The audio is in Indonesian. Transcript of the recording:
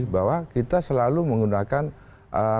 bahwa kita selalu menggunakan